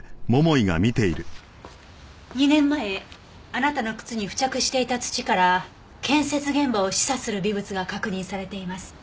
２年前あなたの靴に付着していた土から建設現場を示唆する微物が確認されています。